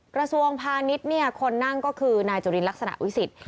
กระทรวงพาณิชย์คนนั่งก็คือนายจุลินลักษณะวิสิทธิ